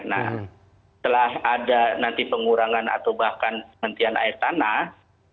nah setelah ada nanti pengurangan atau bahkan penghentian air tanah